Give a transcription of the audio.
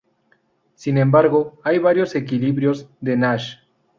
Sin embargo, hay varios equilibrios de Nash.